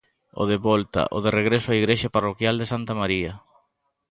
O de volta, o de regreso á igrexa parroquial de Santa María.